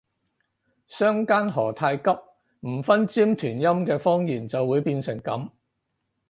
相姦何太急，唔分尖團音嘅方言就會變成噉